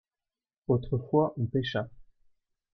autrefois on pêcha.